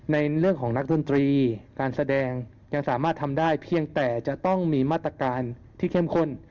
ในเรื่องของนักดนตรีการแสดงยังสามารถทำได้เพียงแต่จะต้องมีมาตรการที่เข้มข้น